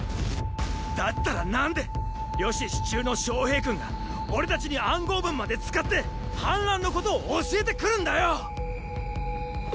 だったら何で「呂氏四柱」の昌平君が俺たちに暗号文まで使って反乱のことを教えてくるんだよ！